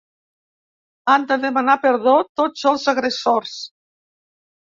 Han de demanar perdó tots els agressors